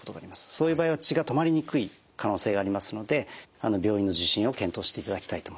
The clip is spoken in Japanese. そういう場合は血が止まりにくい可能性がありますので病院の受診を検討していただきたいと思います。